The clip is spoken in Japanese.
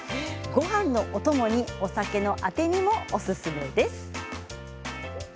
ごはんのお供にお酒のあてにもおすすめです。